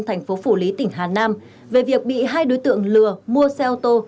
tp hcm về việc bị hai đối tượng lừa mua xe ô tô